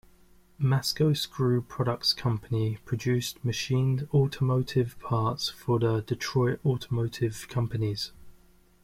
Masco Screw Products Company produced machined automotive parts for the Detroit automotive companies.